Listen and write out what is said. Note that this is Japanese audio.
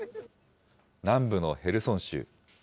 南部のヘルソン州。